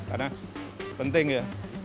karena penting ya